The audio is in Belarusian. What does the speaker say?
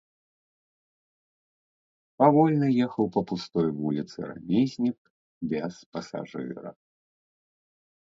Павольна ехаў па пустой вуліцы рамізнік без пасажыра.